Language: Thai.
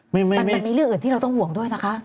มีอะไรที่เราต้องห่วงด้วยนะคะ